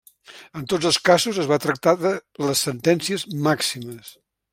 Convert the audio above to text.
En tots els casos es va tractar de les sentències màximes.